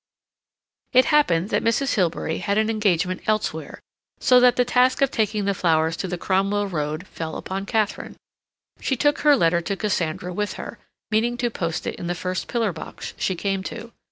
It happened that Mrs. Hilbery had an engagement elsewhere, so that the task of taking the flowers to the Cromwell Road fell upon Katharine. She took her letter to Cassandra with her, meaning to post it in the first pillar box she came to.